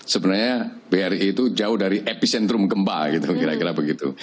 sebenarnya bri itu jauh dari epicentrum gempa gitu kira kira begitu